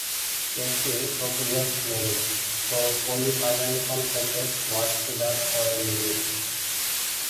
Casey proposes marriage, so Polly finally confesses what she does for a living.